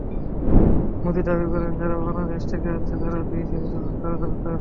মোদি দাবি করেন, যাঁরা বাংলাদেশ থেকে আসছেন, তাঁদের দুই শ্রেণীতে ভাগ করা দরকার।